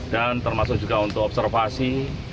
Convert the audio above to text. dan termasuk juga untuk observasi